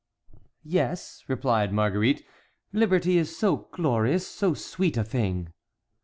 "Yes," replied Marguerite, "liberty is so glorious, so sweet a thing."